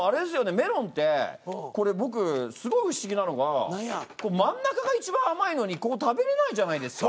メロンってこれ僕すごい不思議なのが真ん中がいちばん甘いのにここ食べれないじゃないですか。